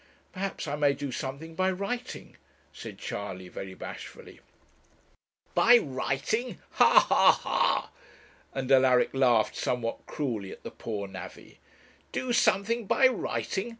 'Perhaps I may do something by writing,' said Charley, very bashfully. 'By writing! ha, ha, ha,' and Alaric laughed somewhat cruelly at the poor navvy ' do something by writing!